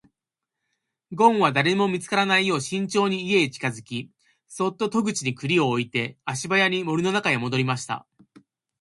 ごんは誰にも見つからないよう慎重に家へ近づき、そっと戸口に栗を置いて足早に森の中へ戻りました。